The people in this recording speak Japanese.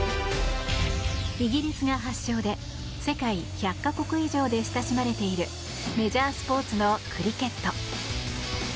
イギリスが発祥で世界１００か国以上で親しまれているメジャースポーツのクリケット。